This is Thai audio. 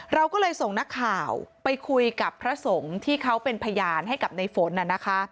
เราก็เลยส่งนักข่าวไปคุยกับพระสงฆ์ที่เขาเป็นพยานให้กับในฝนน่ะนะคะ